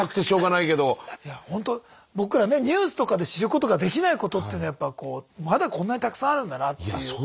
いやほんと僕らねニュースとかで知ることができないことっていうのはまだこんなにたくさんあるんだなっていう。